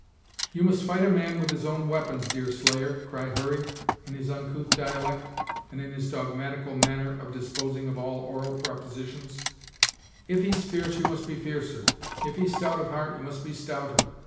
"You must fight a man with his own we'pons, Deerslayer," cried Hurry, in his uncouth dialect, and in his dogmatical manner of disposing of all oral propositions; "if he's f'erce you must be f'ercer; if he's stout of heart, you must be stouter.